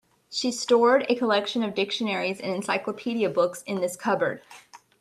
She stored a collection of dictionaries and encyclopedia books in this cupboard.